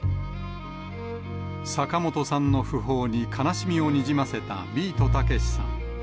坂本さんの訃報に悲しみをにじませたビートたけしさん。